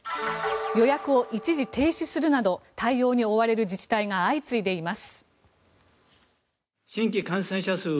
予約を一時停止するなど対応に追われる自治体が相次いでいます。